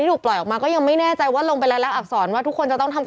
ฮึบขึ้นมาก่อนแล้วค่อยโค้งลงไปด้วยนะ